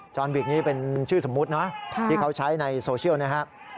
อนวิกนี้เป็นชื่อสมมุตินะที่เขาใช้ในโซเชียลนะครับ